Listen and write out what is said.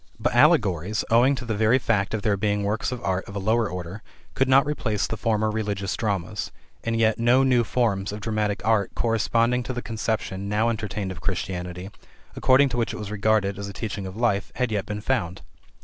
But allegories, owing to the very fact of their being works of art of a lower order, could not replace the former religious dramas, and yet no new forms of dramatic art corresponding to the conception now entertained of Christianity, according to which it was regarded as a teaching of life, had yet been found.